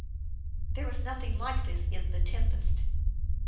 There is nothing like this in " The Tempest."